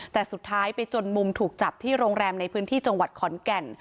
แต่สุดท้ายไปจนมุมถูกจับที่โรงแรมในพื้นที่จังหวัดขอนแก่น